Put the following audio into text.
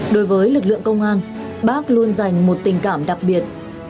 đối với lực lượng công an bác luôn dành một tình cảm đặc biệt